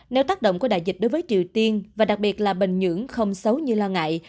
nếu tác động của đại dịch đối với triều tiên và đặc biệt là bình nhưỡng không xấu như lo ngại